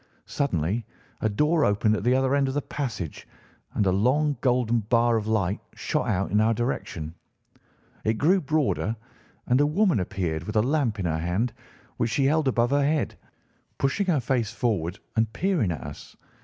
Suddenly a door opened at the other end of the passage, and a long, golden bar of light shot out in our direction. It grew broader, and a woman appeared with a lamp in her hand, which she held above her head, pushing her face forward and peering at us.